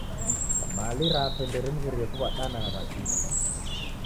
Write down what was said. Mali rape nderimghirie kuw'ada na w'akiw'a.